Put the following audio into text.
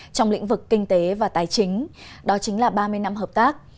trong lĩnh vực kinh tế và tài chính đó chính là ba mươi năm hợp tác